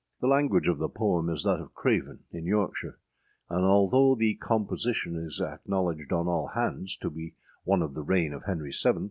The language of the poem is that of Craven, in Yorkshire; and, although the composition is acknowledged on all hands to be one of the reign of Henry VII.